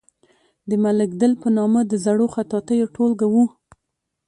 د ملک دل په نامه د زړو خطاطیو ټولګه وه.